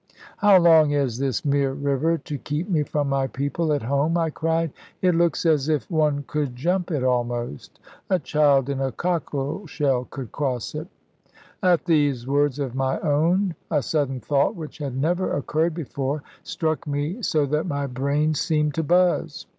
"How long is this mere river to keep me from my people at home?" I cried; "it looks as if one could jump it almost! A child in a cockleshell could cross it." At these words of my own, a sudden thought, which had never occurred before, struck me so that my brain seemed to buzz.